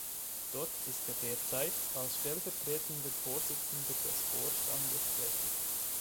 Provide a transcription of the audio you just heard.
Dort ist er derzeit als stellvertretender Vorsitzender des Vorstandes tätig.